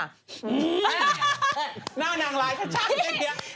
หน้านางร้ายชัด